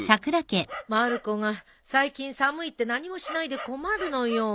まる子が最近寒いって何もしないで困るのよ。